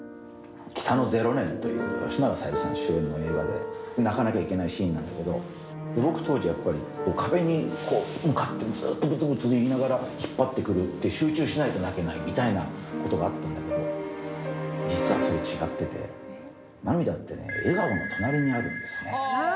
北の零年という吉永小百合さんの主演の映画で、泣かなきゃいけないシーンなんだけど、僕、当時やっぱり、壁に向かって、ずっとぶつぶつ言いながら引っ張ってくる、で、集中しないと泣けないみたいなことがあったんだけど、実は、それ、違ってて、涙ってね、笑顔の隣にあるんですね。